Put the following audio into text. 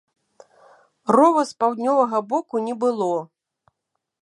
Рова з паўднёвага боку не было.